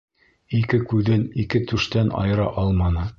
Ике күҙен ике түштән айыра алманы.